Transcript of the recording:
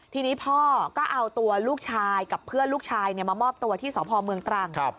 ทีนี้พ่อก็เอาตัวลูกชายกับเพื่อนลูกชายมามอบตัวที่สพเมืองตรัง